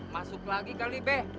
masuk lagi kali be